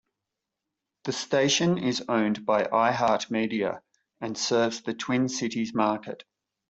The station is owned by iHeartMedia, and serves the Twin Cities market.